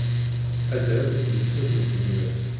Addal d lsas n tezmert.